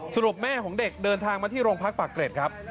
สรุปแม่ของเด็กเดินทางมาที่โรงพักปากเกร็ดครับ